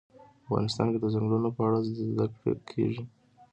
افغانستان کې د ځنګلونه په اړه زده کړه کېږي.